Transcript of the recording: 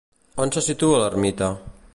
On se situa l'ermita?